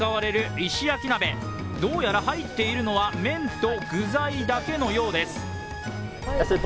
石焼鍋、どうやら入っているのは麺と具材だけのようです。